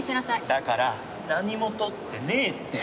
だから何も盗ってねえって！